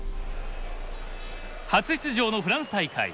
初出場のフランス大会。